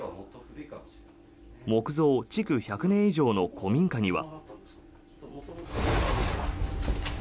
木造築１００年以上の古民家には。